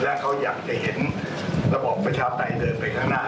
และเขาอยากจะเห็นระบอบประชาปไตยเดินไปข้างหน้า